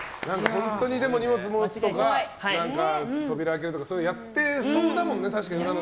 本当に荷物持つとか扉開けるとかやってそうだもんね。